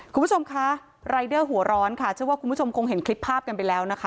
คุณผู้ชมคะรายเดอร์หัวร้อนค่ะเชื่อว่าคุณผู้ชมคงเห็นคลิปภาพกันไปแล้วนะคะ